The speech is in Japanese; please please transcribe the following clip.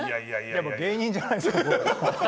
僕、芸人じゃないですから。